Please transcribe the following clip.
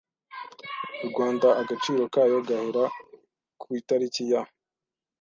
Rwanda Agaciro kayo gahera ku itariki ya